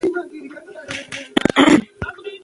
خلک یې زیارت ته تللې وو.